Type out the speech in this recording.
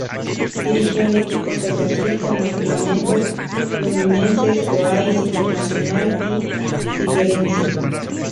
Dirigió en equipos de Brasil como el Flamengo, Fluminense, Goiás, Internacional Y Figueirense.